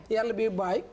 ya lebih baik